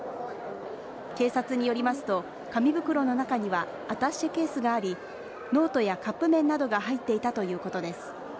警察によりますと、紙袋の中にはアタッシェケースがありノートやカップ麺などが入っていたということです。